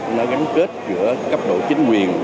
nó gắn kết giữa cấp độ chính quyền